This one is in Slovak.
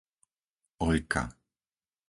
Oľka